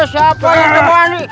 siapa yang temani